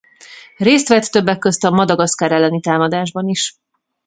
Részt vett többek közt a Madagaszkár elleni támadásban is.